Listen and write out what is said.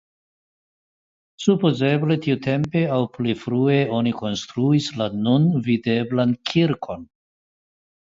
Supozeble tiutempe aŭ pli frue oni konstruis la nun videblan kirkon.